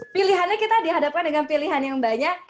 pilihannya kita dihadapkan dengan pilihan yang banyak